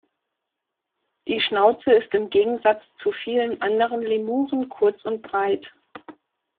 Die Schnauze ist im Gegensatz zu vielen anderen Lemuren kurz und breit.